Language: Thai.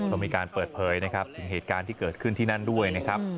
ก็มีการเปิดเผยนะครับถึงเหตุการณ์ที่เกิดขึ้นที่นั่นด้วยนะครับ